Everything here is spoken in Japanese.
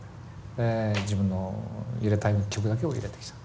で自分の入れたい曲だけを入れてきた。